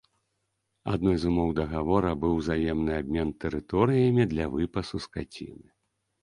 Адной з умоў дагавора быў узаемны абмен тэрыторыямі для выпасу скаціны.